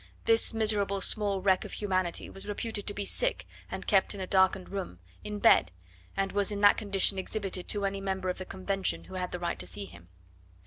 This miserable small wreck of humanity was reputed to be sick and kept in a darkened room, in bed, and was in that condition exhibited to any member of the Convention who had the right to see him.